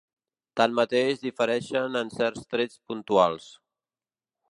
Tanmateix difereixen en certs trets puntuals.